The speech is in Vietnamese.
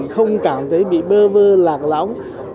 không cảm thấy bị bơ vơ lạc lõng